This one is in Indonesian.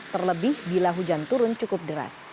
terlebih bila hujan turun cukup deras